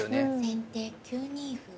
先手９二歩。